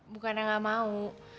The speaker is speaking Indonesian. bukannya gak mau